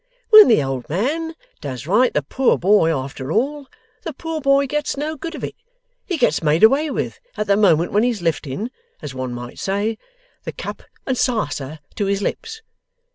When the old man does right the poor boy after all, the poor boy gets no good of it. He gets made away with, at the moment when he's lifting (as one may say) the cup and sarser to his lips.